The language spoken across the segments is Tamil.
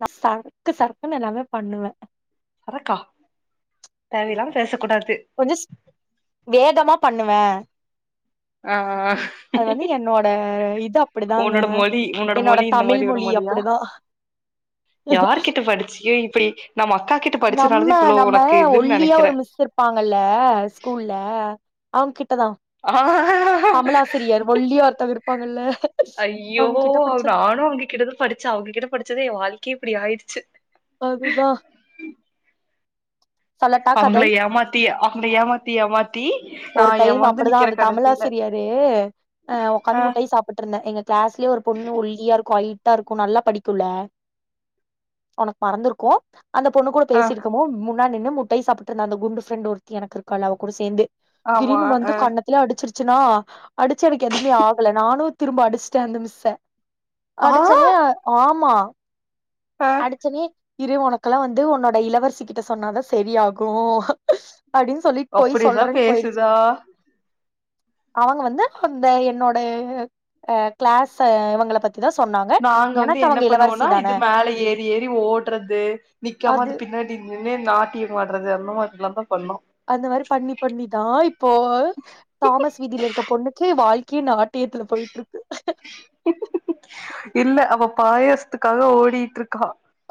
நா சரக்கு சரக்குன்னு எல்லாமே பண்ணுவேன் சதக்கா தேவல்லாம பேச கூடாது கொஞ்சிஸ் வேகமா பண்ணுவேன் ஆ அது வந்து என்னோட இது அப்டிதாங்க உன்னோட என்னோட தமிழ் மொழி அப்டிதான் பிளாக் யார் கிட்ட படிச்சி இப்டி நம்ம அக்கா கிட்ட படிச்சனாலது இவ்ளோ உனக்கு இதுன்னு நெனைக்கிறேன் பாங்கல்ல ஸ்கூல்ல அவங்க கிட்டதான் ஆ கமலாசிரியர் ஒல்லியா ஒர்த்தர் இருப்பாங்கல்ல ஐயோ அவங்க கிட்ட படிச்சது நானு அவங்க கிட்டத படிச்சே அவங்ககிட்ட படிச்சதே எ வாழ்க்கையே இப்டி ஆயிடுச்சு அதுதா சொல்லட்டா அவங்கள கதை ஏமாத்தி அவங்கள ஏமாத்தி ஏமாத்தி நா ஒரு டைம் ஏமாந்து அப்டிதா நிக்கிறே அந்த தமிழ் கடைசில ஆசிரியரு ஆ ஒக்காந்து முட்டை சாப் போட்டுருந்தே எங்க கிளாஸ்லயே ஒரு பொண்ணு ஒல்லியா இருக்கு ஐ இருக்கு நல்லா படிக்குல உனக்கு மறந்திருக்கு அந்த பொண்ணு கூட ஆ பேசியிருக்கமோ முன்னா நின்னு முட்டை சாப்பட்டு இருந்த அந்த குட்ஃப்ரெண்ட் ஒருத்தி எனக்கு இருக்கால அவ கூட சேர்ந்து ஆமா திடீர்னு ஆ வந்து கண்ண அடிச்சிருச்சுன்னா அடிச்சு எனக்கு எதுவுமே ஆகல நானு திரும்ப அடிச்சுட்டே அந்த மிஸ்ஸ ஆ அடிச்சொன்னே ஆமா ஆ அடிச்சொன்னே இரு ஒனக்கெல்லா வந்து ஒன்னோட இளவரசிக்கிட்ட சொன்னாதா செரியாகு அப்டின்னு சொல்லிட் போய் சொல்றேன் திதா அவங்க வந்து அந்த என்னோடைய இது அ கிளாஸ இவங்கள பத் இதா சொன்னாங்க நாங்க வந்து எனக்கு என்ன அவங்க இளவரசி பண்ணுவோன்னா தான இது மேல ஏறி ஏறி ஓடுறது நிக்காம அது பின்னாடி இனிமே நாட்டியமாடுறது அந்த மாரிலா தா பண்ணோ அந்த மாரி பண்ணி பண்ணிதா இப்போ தாமஸ் வீதியில இருக்க பொண்ணுக்கே வாழ்க்கையே நாட் டியத்துல போயிட்டுருக்கு இல்ல அவ பாயசத்துக்காக ஓடிட்டு இருக்கா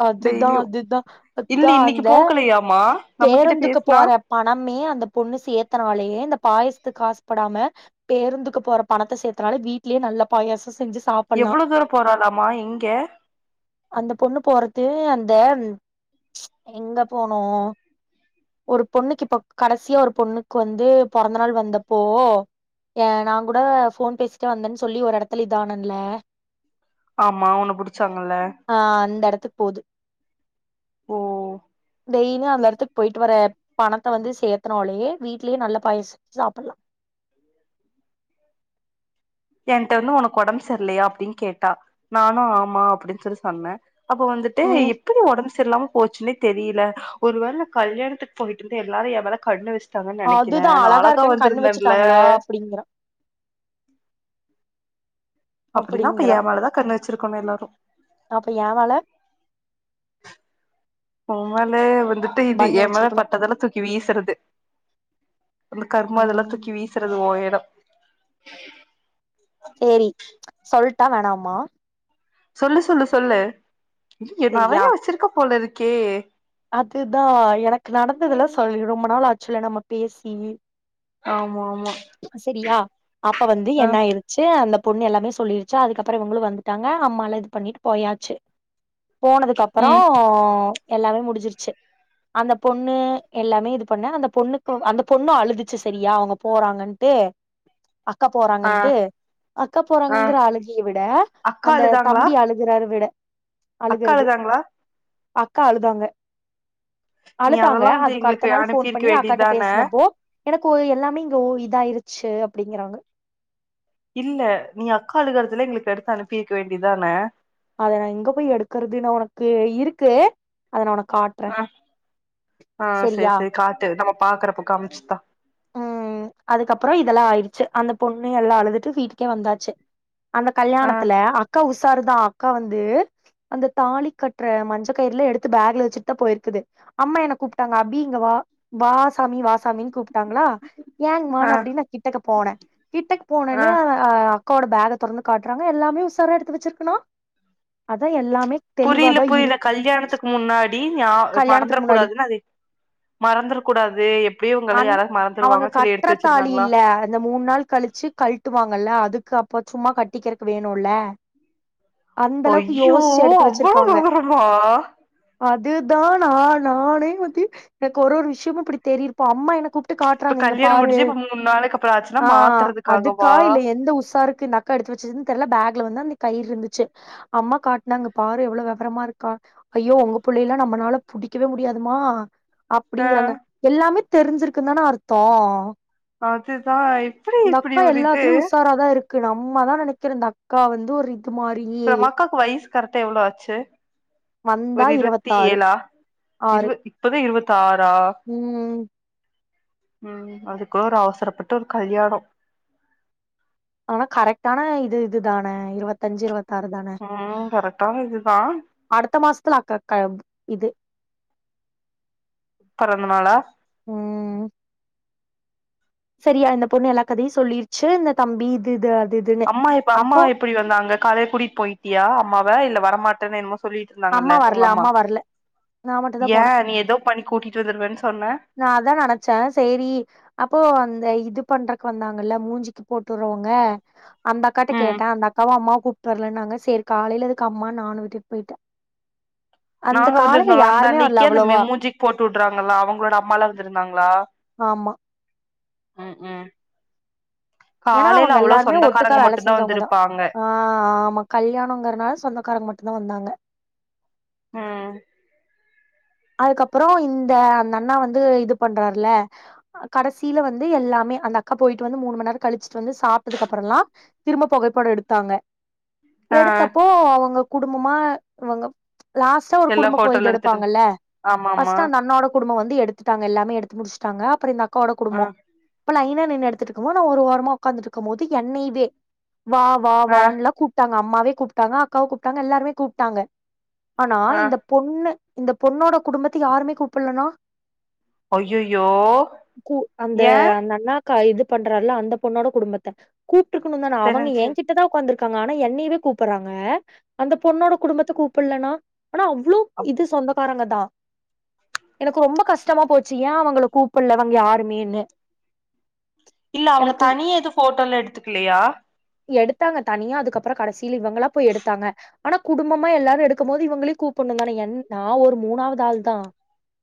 அது தா அது தா அதா இன்னைக்கு அந்த போகலையாமா நம்ம கிட்ட பேருந்துக்கு பேசுனா போற பணமே அந்த பொண்ணு சேத்தனாலேயே இந்த பாயசத்துக்கு ஆசப்படாம பேருந்துக்கு போற பணத்த சேத்தனாலே வீட்லயே நல்ல பாயாசோ செஞ்சு சாப் எவ்ளோ தூரோ போறலாமா எங்க அந்த பொண்ணு போறது அந்த ச் எங்க போனு ஒரு பொண்ணுக்கு இப்ப கடைசியா ஒரு பொண்ணுக்கு வந்து பொறந்த நாள் வந்த அப்போ நா கூட போன் பேசிட்டே வந்தேன்னு சொல்லி ஒரு இடத்துல இத ஆனல்ல ஆமா உன்ன புடிச்சாங்கல ஆ அந்த இடத்துக்கு போது ஓ டெய்லியு அந்த இடத்துக்கு போயிட்டு வர பணத்த வந்து சேர்த்தனாலயே வீட்லயே நல்ல பாயாசோ செஞ்சு சாப்பிடலா என்ட்ட வந்து உனக்கு உடம்பு சரியலையா அப்டின்னு கேட்டா நானு ஆமா அப்டின்னு சொல்லி சொன்னே அப்ப வந்துட்டு ம் எப்பிடி ஒடம்பு செரியில்லாம போச்சுன்னே தெரியல ஒரு வேல கல்யாணத்துக்கு போயிட்டுருந்த எல்லாரு எ மேல கண்ணு வச் ட்டாங்கன்னு நெனைக்கிற அதுதா நா அழகா இருக்கேன்னு கண்ணு வந்திருந்தேன்ல வச்சுட்டாங்களா அப்டிங்கிறா அப்டின்னா இப்ப அப்டிங்கிறா ஏ மேலதா கண்ணு வச்சிருக்கணு எல்லாரு அப்ப ஏ மேல ஒ மேலே வந்துட்டு இது பண்ணு ஏ மேல வச்சிருக்கணு பட்டதேலா தூக்கி வீசுறது அந்த கருமா அதெல்லா ம் தூக்கி வீசுறது ஒ எடோ சேரி சொல்ட்டா வேணாமா சொல்லு சொல்லு சொல்லு நெறைய செரியா வச்சிருக்க போலருக்கே அதுதா எனக்கு நடந்ததெல்லா சொல்லி ரொம்ப நாள் ஆச்சில நம்ம பேசி ஆமா ஆமா செரியா அப்ப வந்து ஆ என்னாயிருக் சே அந்த பொண்ணு எல்லாமே சொல்லிருச்சா அதுக்கப்பற இவங்களு வந்துட்டாங்க அம்மால இது பண்ணிட்டு போயாச்சு போனதுக்கப்பறோ ம் எல்லாமே முடிஞ்சிருச்சு அந்த பொண்ணு எல்லாமே இது பண்ண அந்த பொண்ணுக்கு அந்த பொண்ணு அழுதுச்சு செரியா அவங்க போறாங்க ன்ட்டு அக்கா ஆ போறாங்கன்ட்டு அக்கா ஆ போறாங்கங்கிற அழுகைய விட அக்கா அந்த அழுதாங்களா தம்பி ஆழு கிறாரு விட அக்கா அழுகறது அழுதாங்களா அக்கா அழுதாங்க நீ அழுதாங்க அதெல்லா வந்து அதுக்கு அடுத்த எங்களுக்கு நாள் ஃபோன் அனுப்பியிருக்க பண்ணி அக்காட்ட வேண்டியதான பேசினப்போ எனக்கு எல்லாமே இங்க ஒ இதாயிருச்சு அப்டிங்கிறாங்க இல்ல நீ அக்கா அழுத எடத்துலயே எங்களுக்கு எடுத்து அனுப்பிருக்க வேண்டிதான அத நா எங்க போய் எடுக்கறதுன்னு ஒனக்கு இருக்கு அத நா ஒனக்கு காட் ஆ ஆ சேரி சேரி காட்டு நம்ம பாக்குறப்போ காமிச்சுதா அதுக்கப்புற இதெல்லா ஆயிடுச்சு அந்த பொண்ணு எல்லா அழுதுட்டு வீட்டுக்கே வந்தாச்சு அந்த ஆ கல்யாணத்துல அக்கா உசருதா அக்கா வந்து அந்த தாலி கட்ற மஞ்ச கயிறலே எடுத்து பேக்ல வச்சுட்டு தா போயிருக்குது அம்மா என்ன கூப்ட்டாங்க அபி இங்க வா வா சாமி வா சாமின்னு கூப் டாங்களா ஏனுங்மா ஆ அப்படின்னு நான் கிட்டக்க போனே கிட்ட ஆ போனோனே அக்காவோட பேக தொறந்து காட்டுறாங்க எல்லாமே உசார எடுத்து வச்சிருக்கனா அத எல்லாமே புரில தெளிவாதான் புரில இருக்கு கல்யாணத்துக்கு முன்னாடி ஞா மறந்துட கல்யாணத்துக்கு முன்னாடி கூடாதுன்னு அது மறந்துற கூடாது எப்டியு இவங்கள அன் யாராவது அவங்க மறந்துருவாங்கன்னு சொல்லி எடுத்து கற்றத்தாலி வச்சிருந்தாங்களா இல்ல அந்த மூணு நாள் கழிச்சு கழட்டுவாங்கல்ல அதுக்கு அப்ப சும்மா கட்டிக்கிறக்கு வேணுல அந்த அளவுக்கு ஐயோ யோசிச்சு எடுத்து அவ்ளோ வச்சிருக்காங்க விவரமா அதுதா நா நானே வந்து எனக்கு ஒரு ஒரு விஷயமும் இப்படி தெரியிரப்போ அம்மா என கூப் ட்டு இப்ப காட்டுறாங்க இங்க கல்யாணம் பாரு முடிஞ்சு இப்ப மூணு நாளைக்கு அப்புறோ ஆச்சுன்னா ஆ அதுக்கா மாத்துறதுக்காகவா இல்ல எந்த உசாருக்கு இந்த அக் க்கா எடுத்து வச்சிருதுன்னு தெரில பேக்ல வந்து அந்த கயிறு இருந்துச்சு அம்மா காட்டுனாங்க பாரு எவ்ளவு விவரமா இருக்கா ஐயோ அவங்க பிள்ளைல்லாம் நம்மளால புடிக்கவே முடியாதுமா ஆ அப்படிங்கறாங்க எல்லாமே தெரிஞ்சிருக்கு தான அர்த்தோ அதுதா எப்டி இந்த இப்டி அக்கா ஒரு இது எல்லாத்துலயு உசாராதான் இருக்கு நம்ம தான் நினைக்கிறோ இந்த அக்கா வந்து ஒரு இது மாரி இப்ப உங்க அக்காக்கு வயசு கரட்டா எவ்ளோ ஆச்சு ஒரு வந்தா இருவத்தி இருவத்தாறு ஏழா ஆறு இருவ இப்பவே இருவத்தாறா ம் ம் அதுக்கு ஒரு அவசரப்பட்டு ஒரு கல்யாணோ ஆனா கரெக்டான இது இது தான இருவத்தஞ்சு இருவத் ம் ம் கரெக்டான இதுதா அடுத்த மாசத்துல ஆக்காக்க இது பொறந்த நாளா ம் சரி அந்த பொண்ணு எல்லா கதையு சொல்லிருச்சு இந்த தம்பி இது இது அது இது அம்மா இப்ப அம்மா எப்படி வந்தாங்க காலைய கூட்டிட்டு போய்ட்டியா அம்மாவ இல்ல வரமாட்டேன்னு என்னமோ சொல்லிட்டு அம்மா இருந்தாங்கல்ல உங்க வரல அம்மா வரல நா மட்டுந்தா போனே ஏன் நீ ஏதோ பண்ணி கூட்டிட்டு வந்துடுவேன்னு சொன்ன நா அதா நினைச்சே சேரி அப்போ அந்த இது பண்றக்கு வந்தாங்கல்ல மூஞ்சிக்கு போட்டுறவங்க அந்த அக்காட்ட ம் கேட்டே அந்த அக்காவு அம்மாவ கூப்ட்டு வரலன்னாங்க சரி காலைல எதுக்கு அம்மா நானு விட்டுட்டு போய்ட்டே நாங்க வந்திருந்தோல அந்த யாருமே வரல அன்னைக்கே அந்த மே அவ்வளவா மூஞ்சிக் போட்டு உடுறாங்களா அவங்களோட அம்மாலா வந்திருந்தாங்களா ஆமா ம் ம் ஏன்னா அவங்க காலைல அவ்ளோ எல்லாருமே ஒட்டுக்கா சொந்தக்காரங்க வேல மட்டுதா செஞ்சவங்க தா வந்திருப்பாங்க ஆ ஆமா கல்யாணங்கறனால சொந்தக்காரங்க மட்டுதா வந்தாங்க ம் அதுக்கப்புறோ இந்த அந்த அண்ணா வந்து இது பண்றாருல கடைசில வந்து எல்லாமே அந்த அக்கா போய்ட்டு வந்து மூணுமண் நேரோ கழிச்சுட்டு வந்து சாப்ட்டதுக்கு அப்புறல்லா திரும்ப பொகைப்பட எடுத்தாங்க ஆ எடுத்தப்போ அவுங்க குடும்பமா இவுங்க லாஸ்ட் டா ஒரு எல்லா குடும்பம் ஃபோட்டோல போய்து எடுத்துட்டு எடுப்பாங்கல்ல ஆமா ஆமா ஃபர்ஸ்ட்டு அந்த அண்ணா வோட குடும்போ வந்து எடுத்துட்டாங்க எல்லாமே எடுத்து முடிச்சுட்டாங்க அப்புறோ இந்த அக்காவோட ஆ குடும்போ இப்ப லைனா நின்னு எடுத்துட்டு இருக்கமோ நா ஒரு ஓரமா உக்காந்துட்டு இருக்கு போது என்னய்வே வா வா ஆ வான்லா கூப்ட்டாங்க அம்மாவே கூப்ட்டாங்க அக்காவு கூப்ட்டாங்க எல்லாருமே கூப்ட்டாங்க ஆனா ஆ இந்த பொண்ணு இந்த பொண்ணோட குடும்பத்த யாருமே கூப்டலனா ஐயையோ கூ அந்த ஏ அந்த அண்ணா கா இது பண்றாரு அந்த பொண்ணோட குடும்பத்த கூப்ட்ருக்கணு தான அவுங்க ஏ தெரிஞ்சு கிட் ட தா உக்காந்துருக்காங்க ஆனா என்னயவே கூப்டுறாங்க அந்த பொண்ணோட குடும்பத்த கூப்பட்லன்னா ஆனா அவ்ளோ அப் இது சொந்தக்காரங்கதா எனக்கு ரொம்ப கஷ்டமா போச்சு ஏ அவங்கள கூப்பட்ல அவங்க யாருமேன்னு இல்ல அவுங்க எனக்கு தனியா எது ஃபோட்டோல எடுத்துக்கலயா எடுத்தாங்க தனியா அதுக்கப்புறோ கடைசியில இவங்களா போய் எடுத்தாங்க ஆனா குடும்பமா எல்லாரு எடுக்கம் போது இவங்களையு கூப்டணு தான என் நா ஒரு மூணாவது ஆள் தா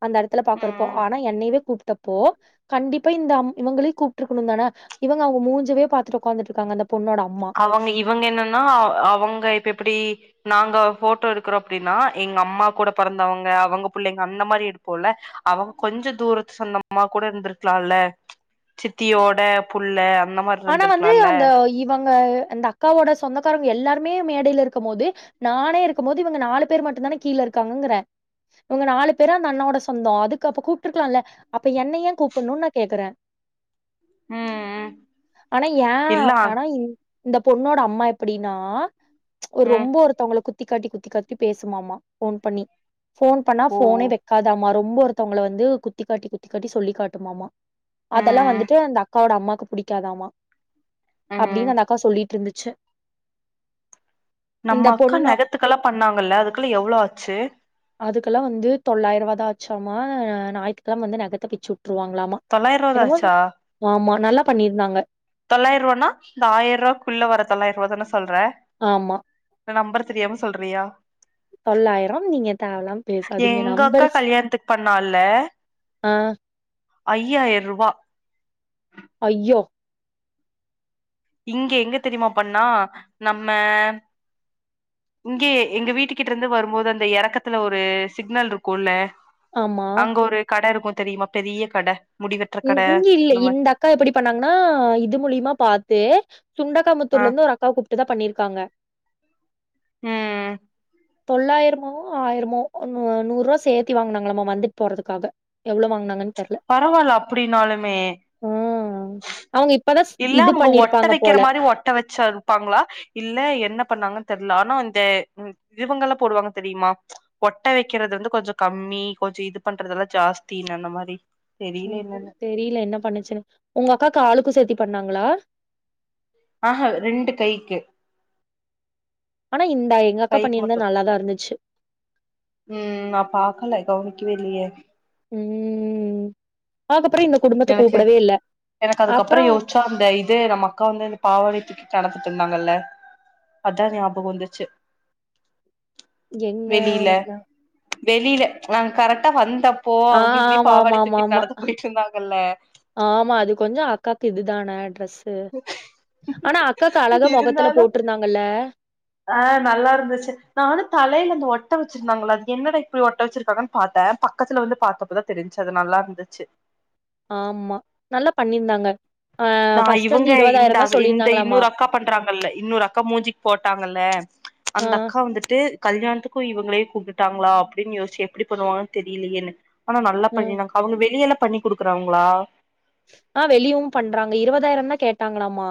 அந்த எடத்துல பாக்குறப்போ ம் ஆனா என்னையவே கூப்ட்டப்போ கண்டிப்பா இந்த அம் இவங்களையு கூப்ட்ருகணு தான இவுங்க அவுங்க மூஞ்சவே பாத்துட்டு உக்காந்துட்டு இருக்காங்க அந்த பொண்ணோட அம்மா அவங்க இவங்க என்னன்னா அவுங்க இப்ப எப்படி நாங்க ஃபோட்டோ எடுக்கறோ அப்டின்னா எங்க அம்மா கூட பிறந்தவுங்க அவுங்க பிள்ளைங்க அந்த மாரி எடுப்போல்ல அவுங்க கொஞ்ச தூரத்து சொந்தமா கூட இருந்திருக்கலால்ல சித்தியோட புள்ள அந்த மாரி ஆனா வந்து இருந்திருக்கலால்ல அந்த இவங்க அந்த அக்காவோட சொந்தக்காரங்க எல்லாருமே மேடையில இருக்கம் போது நானே இருக்கும் போது இவங்க நாலு பேர் மட்டு தான கீழ இருக்காங்கங்கிற இவுங்க நாலு பேரு அந்த அண்ணாவோட சொந்தோ அதுக்கு அப்ப கூப்பட்டுருக்கலால்ல அப்ப என்ன ஏ கூப்புட்ணு நா கேக்குற ம் ம் ஆனா ஏ இல்ல ஆனா இந் இந்த பொண்ணோட அம்மா எப்டின்னா ஒரு ம் ரொம்ப ஒருத்தவங்கள குத்தி காட்டி குத்தி காத்தி பேசுமாமா ஃபோன் பண்ணி ஃபோன் பண்ணா ஓ ஃபோனே வைக்காதாம ரொம்ப ஒருத்தவுங்கள வந்து குத்திக்காட்டி குத்திக்காட்டி சொல்லி காட்டுமாமா அதெல்லா ம் வந்துட்டு அந்த அக் அக்காவோட அம்மாக்கு பிடிக்காதாமா ம் அப்டின் அந்த அக்கா சொல்லிட் ருந்துச்சு நம்ம அக்கா நெகத்துக்கெல்லா பண்ணாங்கல்ல அதுக்குல்லா எவ்ளோ ஆச்சு அதுக்கெல்லா வந்து தொள்ளாயிருவாதாச்சாம்மா ஞாயித்துக்கெலம வந்து நகத்த பிச்சு உட்ருவாங்கலாமா தொள்ளாயிருவாதா ஆச்சா ஆமா நல்லா பண்ணிருந்தாங்க தொள்ளாயிரூவானா இந்த ஆயிர ரூவாக்குள்ள வர தொள்ளாயிர ரூவா தான சொல்ற ஆமா இல்ல நம்பர் தெரியாம சொல்றியா தொள்ளாயிரம் நீங்க தேவயில்லாம பேசாதங்க எங்க அக்கா நம்பர்ஸ் கல்யாணத்துக்கு பண்ணால்ல ஆ அயயாயிர ரூபா அய்யோ இங்க எங்கே தெரிமா பண்ணா நம்ம இங்கே எங்க வீட்டு கிட்ட இருந்து வரும்போது அந்த எறக்கத்துல ஒரு சிக்னல் இருக்குல்ல ஆமா அங்க ஒரு கடை இருக்கும் தெரிமா பெரிய கடை ம் இங்கில்லை இந்தக் அகா எப்டி பண்ணாங்கன்னா இது மூலியமா பாத்து ஆ சுண்டக்காமுத்தூர்லருந்து ஒரு அக்காவ கூ ப்டுதா பண்ணிருக்காங்க ம் தொள்ளாயிரமோ ஆயிரமோ நூ நூறு ரூபா சேர்த்தி வாங்கினாங்களாமா வந்துட்டு போறதுக்காக எவ்ளோ வாங்னாங்கன்னு தெரில பரவால்ல அப்டினாலுமே ம் அவுங்க இப்பதா இல்ல அவுங்க ஒட்ட வெக்கிற மாரி ஒட்ட வெச்சா ப்பாங்ளா இல்ல என்ன பண்ணாங்கன்னு தெரில ஆனா இந்த இவங்கல்ல போடுவாங்க தெரிமா ஒட்ட வெக்கிறது வந்து கொஞ்சோ கம்மி கொஞ்சோ இது பண்றதெல்லா ஜாஸ்தினாங்க அந்த மாரி உ தெரியல என்னன்னு தெரில என்ன பண்ணுச்சுன்னு உங்க அக்காக்கு ஆளுக்கு சேத்தி பண்ணாங்ளா ஆஹா ரெண்டு கைக்கு ஆனா இந்தா எங்க அக்கா கைக்கு பண்ணியிருந்தா நல்லாதா இருந்துச்சு உம் நா பாக்கல கவனிக்கவே இல்லையே ம் அதுக்கப்றோ இந்த குடும்பத்த கூப்டவே இல்ல அப்றோ சோ அந்த இது நம்ம அக்கா வந்து இந்த பாவாடைய தூக்கிட்டு தலகுத்தும்பாங்கல்ல அதா ஞாபகம் வந்துச்சு எங்க வெளில எனக்கு வெளில நாங் கரெக்டா வந்தப் போ ஆ அவுங்க இப்டி பாவாடய தூக்கிட்டு ஆமாமாமாமா. நடந்து போயிட்ருந்தாங்கல்ல ஆமா அது கொஞ்சோ அக்காக்கு இதுதான ட்ரெஸ் இது ஆனா அக்காக்கு அழகா மொகத்துல இருந்தாலு போட்ருந்தாங்கல்ல ஆ நல்லா இருந்துச்சு நானு தலைல அந்த ஒட்ட வேச்சிருந்தாங்கள்ள அது என்னடா இப்டி ஒட்ட வெச்சிருக்காங்கன் பாத்த பக்கத்துல வந்து பாத்தப்பதா தெரிஞ்சு அது நல்லா இருந்துச்சு ஆமா நல்லா பண்ணிருந்தாங்க நா இவுங்க இந்த அ இந்த சொல்லியிருந்தாங்களாமா. இன்னொரு அக்கா பண்றாங்கல்ல இன்னொரு அக்கா மூஞ்சிக்கு போட்டாங்கல்ல ஆ, அந்த அக்கா வந்துட்டு கல்யாணத்துக்கு இவங்ளே கூப்டுட்டாங்ளா அப்டின்னு யோசிச்ச எப்டி பண்ணுவாங்கன்னு தெரிலயேன்னு ஆனா நல்லா ம். பண்ணிருந்தாங்க அவுங்க வெளியல்லா பண்ணி குடுக்கறாங்ளா ஆ வெளியவும் பண்றாங்க இருவதாயிரம்தா கேட்டாங்களாமா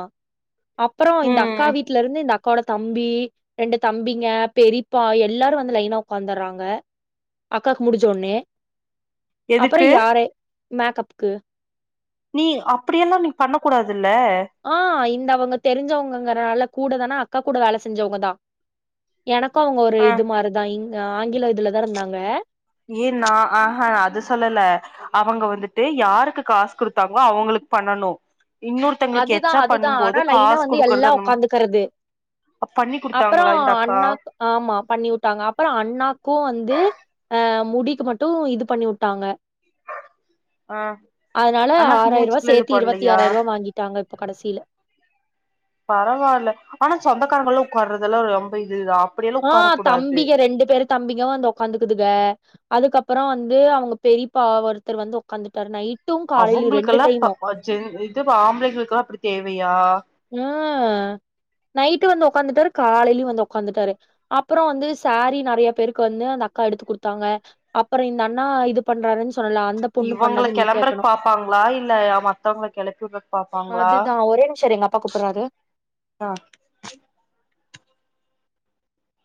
அப்றோ இந்த அக்கா ம் வீட்ல இருந்து இந்த அக்காவோட தம்பி ரெண்டு தம்பிங்க பெரிப்பா எல்லாரு வந்து லைனா உக்காந்தறாங்க அக்காக்கு முடிஞ்சொன்னே அப்றோ எதுக்கு யார மேக்கப்க்கு நீ அப்டியெல்லா நீங் பண்ண கூடாதுல்ல ஆ இந்த அவுங்க தெரிஞ்சவங்கங்கறனால கூடதான அக்கா கூட வேல செஞ்சவங்கதா எனக்கு அவுங்க ஒரு ஆ இது மாரிதா இங் ஆங்கில இதுலதா இருந்தாங்க ஏ நான் ஆஹ அது சொல்லல அவுங்க வந்துட்டு யாருக்கு காசு குடுத்தாங்ளோ அவுங்களுக்கு பண்ணணு இன்னொரு அதுதா அதுதா ஆனா லைனா வந்து எல்லா அந்த மா ஒக்காந்துக்கிறது பண்ணி அப்பறோ குடுத்தாங்களா இந்த அக்கா அண்ணாக் ஆமா பண்ணி வுட்டாங்க அப்பற அண்ணாக்கு வந்து அ முடிக்கு மட்டு இது பண்ணி வுட்டாங்க ஆ அதனால அண்ணாக்கு ஆறாயிர ரூவா மூஞ்சுக்குலா இது சேத்தி இருவத்தி பண்லையா ஆறாயிர ரூவா வாங்கிட்டாங்க இப்ப கடசில பரவால்ல ஆனா சொந்தக்காரங்களு உக்கார்றதுலா ரொம்ப இதுதா அப்படியெல்லா ஆ உட்கார கூடாது தம்பிக ரெண்டு பேரு தம்பிக வந்து ஒக்காந்துக்குதுக அதுக்கப்பறோ வந்து அவுங்க பெரிப்பா ஒருத்தர் வந்து ஒக்காந்துட்டாரு நைட்டு காலைலயு ரெண்டு டைமு சேரி இதுவு ஆம்பளைங்களுக்குலா அப்டி தேவையா ம் நைட்டு வந்து ஒக்காந்துட்டாரு காலைலயு வந்து ஒக்காந்துட்டாரு அப்பற வந்து சாரீ நெறைய பேருக்கு வந்து அந்த அக்கா எடுத்து குடுத்தாங்க அப்பற இந்த அண்ணா இது பண்றாருன் சொன்னல்ல அந்தப் இவங்கள கிளம்புறதுக் பாப்பாங்ளா இல்ல மத்தவ்ங்கள கிளப்பிவுட்றதுக்கு பாப்பாங்களா அதுதான் ஒரே நிம்ஷ இரு எங்க அப்பா கூப்புட்றாரு ஆ